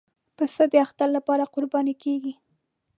پسه د اختر لپاره قرباني کېږي.